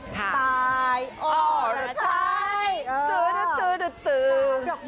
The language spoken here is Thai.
ตายออร์เตอร์ท้าย